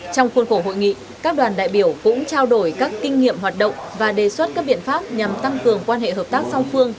trong khuôn khổ hội nghị các đoàn đại biểu cũng trao đổi các kinh nghiệm hoạt động và đề xuất các biện pháp nhằm tăng cường quan hệ hợp tác song phương